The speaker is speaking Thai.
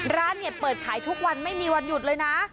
ร้านเนี่ยเปิดขายทุกวันไม่มีวันหยุดเลยนะ